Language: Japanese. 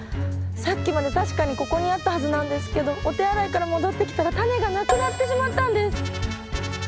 さっきまで確かにここにあったはずなんですけどお手洗いから戻ってきたらタネがなくなってしまったんです！